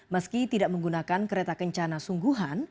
meski tidak menggunakan kereta kencana sungguhan